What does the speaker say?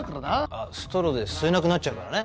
あっストローで吸えなくなっちゃうからね。